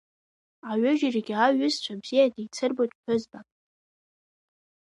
Аҩыџьарагьы аиҩызцәа бзиа деицырбоит ԥҳәызбак.